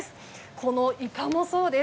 このイカもそうです。